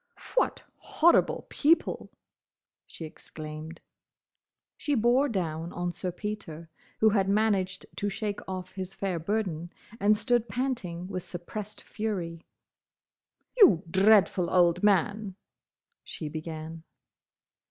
"What horrible people!" she exclaimed. She bore down on Sir Peter, who had managed to shake off his fair burden, and stood panting with suppressed fury. "You dreadful old man—" she began.